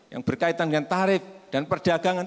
yang berkaitan dengan tarif dan perdagangan